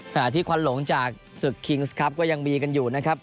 ขณะที่ควันหลงจากศึกคิงส์ครับก็ยังมีกันอยู่นะครับ